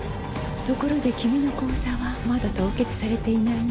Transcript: ところで君の口座はまだ凍結されていないね？